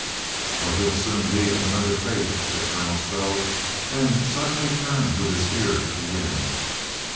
"But he'll soon be of another faith," said Colonel Stow, then suddenly turned with his ear to the wind.